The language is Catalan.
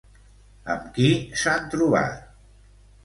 Amb qui s'han trobat?